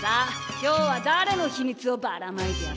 今日はだれの秘密をばらまいてやろうかな。